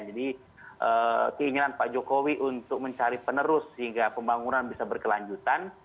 jadi keinginan pak jokowi untuk mencari penerus sehingga pembangunan bisa berkelanjutan